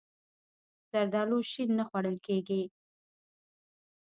زردالو شین نه خوړل کېږي.